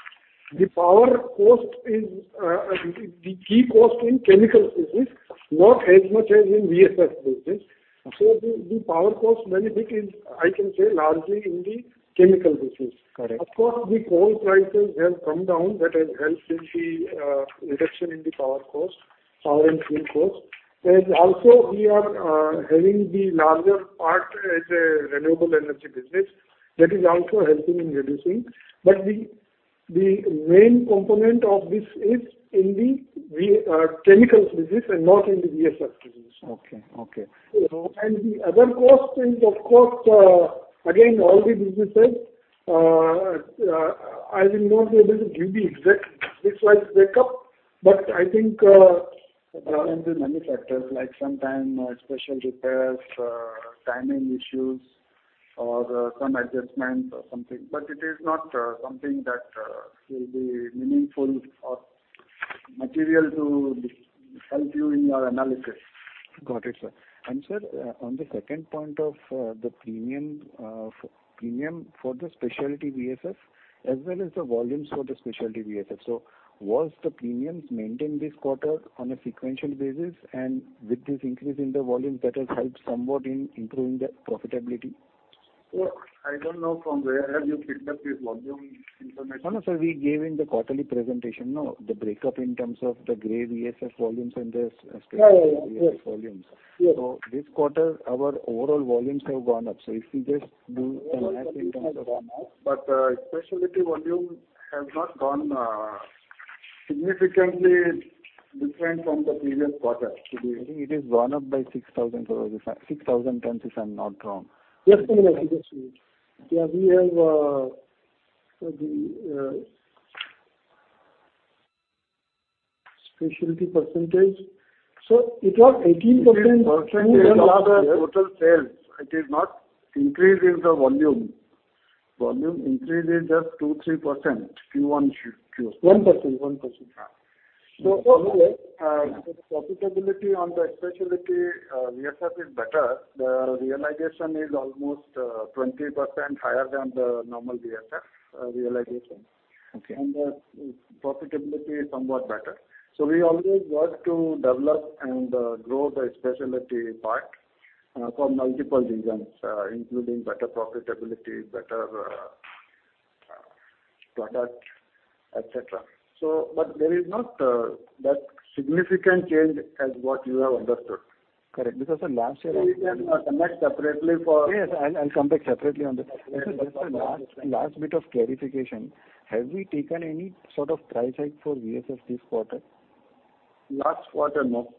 The power cost is the key cost in chemical business, not as much as in VSF business. Okay. The power cost benefit is, I can say, largely in the chemical business. Correct. Of course, the coal prices have come down. That has helped in the reduction in the power cost, power and fuel cost. And also, we are having the larger part as a renewable energy business. That is also helping in reducing. But the main component of this is in the chemicals business and not in the VSF business. Okay, okay. And the other cost is, of course, again, all the businesses. I will not be able to give the exact mix like breakup, but I think there are many factors, like sometime special repairs, timing issues or some adjustments or something, but it is not something that will be meaningful or material to help you in your analysis. Got it, sir. Sir, on the second point of the premium, premium for the specialty VSF, as well as the volumes for the specialty VSF. Was the premiums maintained this quarter on a sequential basis, and with this increase in the volume, that has helped somewhat in improving the profitability? I don't know from where have you picked up this volume information? No, no, sir, we gave in the quarterly presentation, no, the breakup in terms of the gray VSF volumes and the specialty- Yeah, yeah, yes. Volumes. Yes. This quarter, our overall volumes have gone up. If you just do the math in terms of- Specialty volume has not gone significantly different from the previous quarter. It is gone up by 6,000, 6,000 tons, if I'm not wrong. Just a minute, let me just see. Yeah, we have, so the specialty percentage. So it was 18%- It is percentage of the total sales, it is not increase in the volume. Volume increase is just 2%-3%, Q1 to Q- 1%, 1%. Yeah. So- The profitability on the specialty VSF is better. The realization is almost 20% higher than the normal VSF realization. Okay. The profitability is somewhat better. We always work to develop and, grow the specialty part, for multiple reasons, including better profitability, better, product, et cetera. But there is not, that significant change as what you have understood. Correct. Because the last year- We can connect separately for- Yes, I'll come back separately on this. Just a last bit of clarification. Have we taken any sort of price hike for VSF this quarter? Last quarter, no.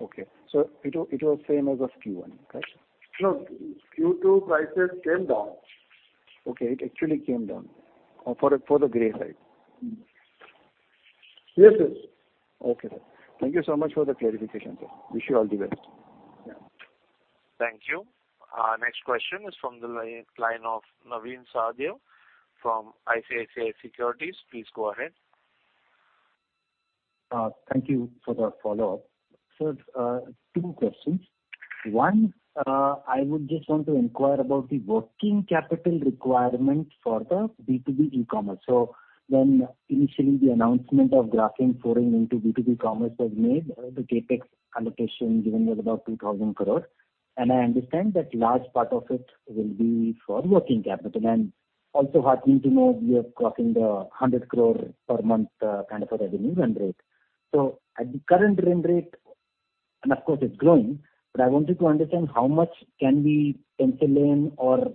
Okay. So it was same as of Q1, correct? No, Q2 prices came down. Okay, it actually came down for the gray side. Yes, yes. Okay, sir. Thank you so much for the clarification, sir. Wish you all the best. Yeah. Thank you. Our next question is from the line of Navin Sahadeo from ICICI Securities. Please go ahead. Thank you for the follow-up. So, two questions. One, I would just want to inquire about the working capital requirement for the B2B e-commerce. So when initially the announcement of Grasim foraying into B2B commerce was made, the CapEx allocation given was about 2,000 crore. And I understand that large part of it will be for working capital. And also heartening to know you are crossing the 100 crore per month kind of a revenue run rate. So at the current run rate, and of course it's growing, but I wanted to understand how much can we pencil in or,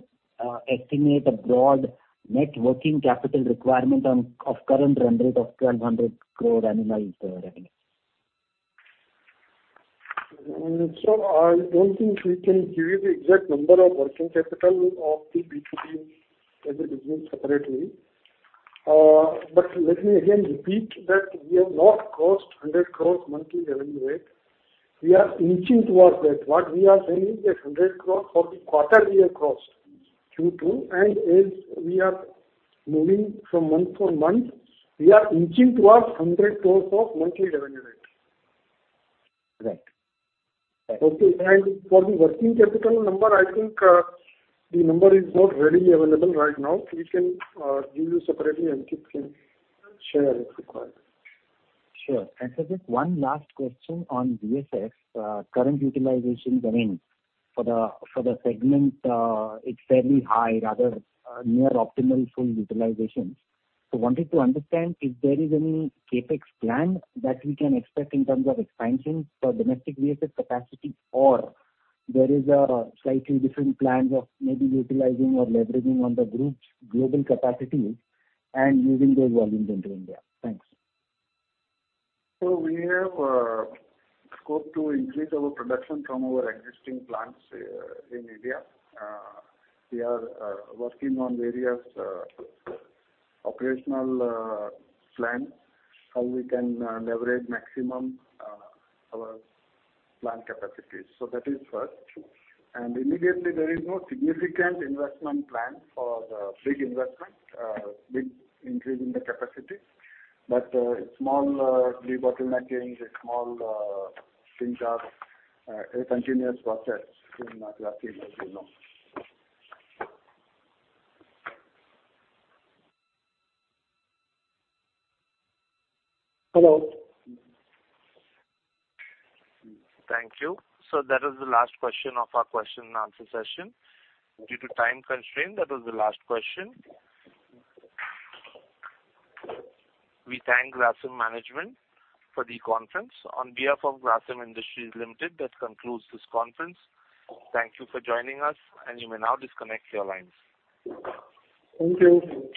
estimate a broad net working capital requirement on, of current run rate of 1,200 crore annualize revenue? So I don't think we can give you the exact number of working capital of the B2B as a business separately. But let me again repeat that we have not crossed 100 crore monthly revenue rate. We are inching towards that. What we are saying is that 100 crore for the quarter we have crossed Q2, and as we are moving from month to month, we are inching towards 100 crore of monthly revenue rate. Right. Okay, and for the working capital number, I think, the number is not readily available right now. We can, give you separately, Ankit can share if required. Sure. Just one last question on VSF, current utilization is running for the segment, it's fairly high, rather, near optimal full utilization. So wanted to understand if there is any CapEx plan that we can expect in terms of expansion for domestic VSF capacity, or there is a slightly different plan of maybe utilizing or leveraging on the group's global capacities and moving those volumes into India. Thanks. So we have scope to increase our production from our existing plants in India. We are working on various operational plans, how we can leverage maximum our plant capacities. So that is first. And immediately, there is no significant investment plan for the big investment, big increase in the capacity, but small debottlenecking, small things are a continuous process in Grasim, as you know. Hello? Thank you. That is the last question of our question and answer session. Due to time constraint, that was the last question. We thank Grasim management for the conference. On behalf of Grasim Industries Limited, that concludes this conference. Thank you for joining us, and you may now disconnect your lines. Thank you.